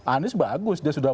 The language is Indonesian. anies bagus dia sudah